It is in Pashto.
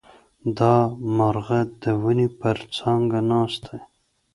دا مرغه د ونې پر څانګه ناست دی.